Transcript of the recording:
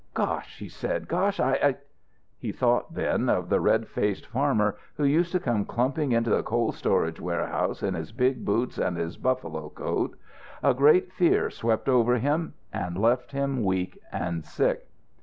"Gosh!" he said. "Gosh, I " He thought, then, of the red faced farmer who used to come clumping into the cold storage warehouse in his big boots and his buffalo coat. A great fear swept over him and left him weak and sick.